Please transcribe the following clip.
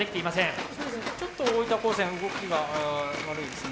ちょっと大分高専動きが悪いですね。